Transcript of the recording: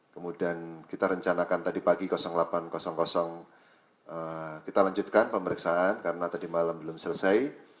kemudian kita rencanakan tadi pagi delapan kita lanjutkan pemeriksaan karena tadi malam belum selesai